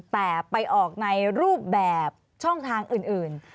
แต่ไปออกในรูปแบบช่องทางอื่น